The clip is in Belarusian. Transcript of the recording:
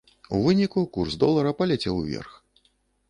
У выніку курс долара паляцеў уверх.